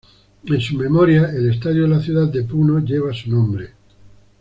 En su memoria, el estadio de la ciudad de Puno lleva su nombre.